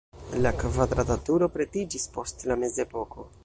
La kvadrata turo pretiĝis post la mezepoko.